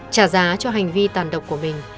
trả giá cho hành vi tàn độc của mình